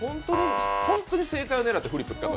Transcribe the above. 本当に正解を狙ってフリップ使った？